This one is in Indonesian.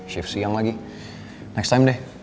shift siang lagi next time deh